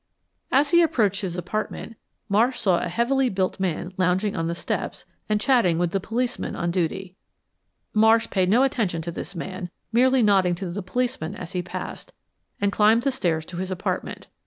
As he approached his apartment, Marsh saw a heavily built man lounging on the steps and chatting with the policeman on duty. Marsh paid no attention to this man, merely nodding to the policeman as he passed, and climbed the stairs to his apartment.